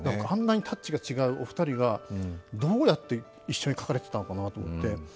あんなにタッチの違うお二人がどうやって一緒に描かれていたのかと思って。